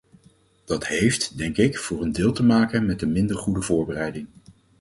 Dat heeft, denk ik, voor een deel te maken met de minder goede voorbereiding.